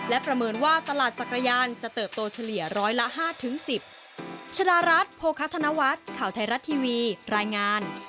และประเมินว่าตลาดจักรยานจะเติบโตเฉลี่ยร้อยละ๕๑๐